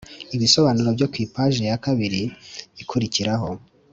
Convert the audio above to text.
Ibisobanuro byo ku ipaji ya kabiri ikurikiraho